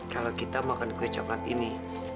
kalau kita makan kue coklat ini